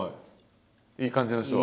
いい感じの人は？